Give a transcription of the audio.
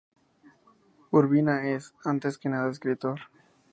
Urbina es, antes que nada escritor.